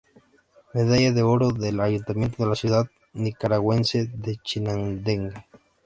Medalla de Oro del Ayuntamiento de la ciudad Nicaragüense de Chinandega.